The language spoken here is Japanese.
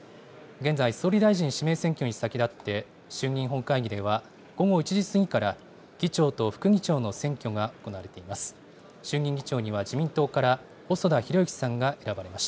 現在、総理大臣指名選挙に先立って、衆議院本会議では、午後１時過ぎから、議長と副議長の選挙が行われています。